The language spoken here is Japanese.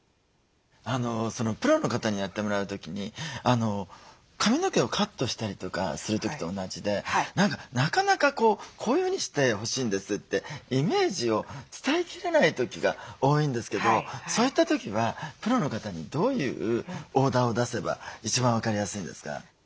プロの方にやってもらう時に髪の毛をカットしたりとかする時と同じで何かなかなかこういうふうにしてほしいんですってイメージを伝えきれない時が多いんですけどそういった時はプロの方にどういうオーダーを出せば一番分かりやすいんですか？